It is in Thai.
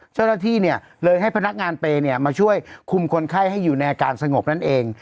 เจ้าหน้าที่เนี่ยเลยให้พนักงานเปรย์มาช่วยคุมคนไข้ให้อยู่ในอาการสงบนั่นเอง